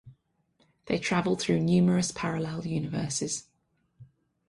They travel through numerous parallel universes.